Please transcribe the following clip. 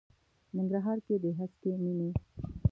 ننګرهار کې د هسکې مېنې.